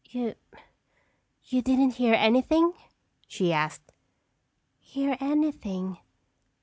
"You—you didn't hear anything?" she asked. "Hear anything?